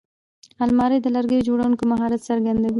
الماري د لرګیو جوړوونکي مهارت څرګندوي